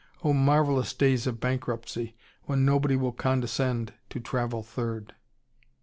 Oh, marvellous days of bankruptcy, when nobody will condescend to travel third!